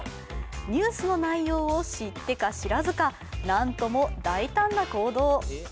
ニュースの内容を知ってか知らずか、なんとも大胆な行動。